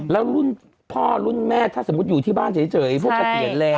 แล้วรุ่นพ่อรุ่นแม่ถ้าสมมุติอยู่ที่บ้านเฉยพวกเกษียณแล้ว